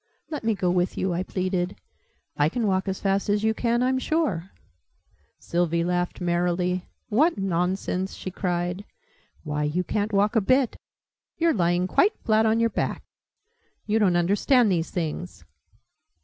"Let me go with you," I pleaded. "I can walk as fast as you can, I'm sure." Sylvie laughed merrily. "What nonsense!" she cried. "Why, you ca'n't walk a bit! You're lying quite flat on your back! You don't understand these things."